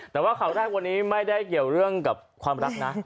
แต่ว่าข่าวแรกวันนี้ไม่ได้เกี่ยวเรื่องกับความรักนะ